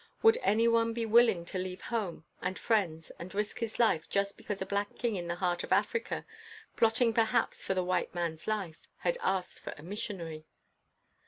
Would any one be willing to leave home and friends and risk his life just because a black king in the heart of Africa, plotting per haps for the white man's life, had asked for a missionary